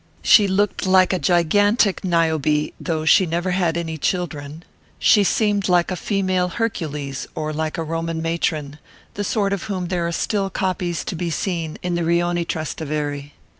She looked like a gigantic Niobe, though she never had any children; she seemed like a female Hercules, or like a Roman matron, the sort of whom there are still copies to be seen in the Rioni Trastevere.